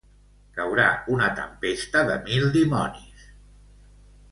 Caurà una tempesta de mil dimonis!